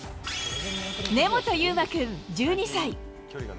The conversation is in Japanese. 根本悠誠君１２歳。